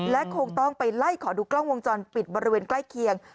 และคงต้องไปไล่ขอดูกล้องวงจรปิดบริเวณใกล้เคียง